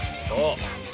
そう。